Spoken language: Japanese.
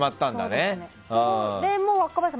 これも若林さん